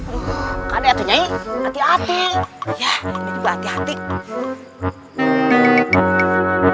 tuhan yang terbaik